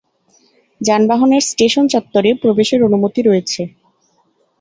যানবাহনের স্টেশন চত্বরে প্রবেশের অনুমতি রয়েছে।